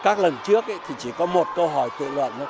các lần trước thì chỉ có một câu hỏi tự luận thôi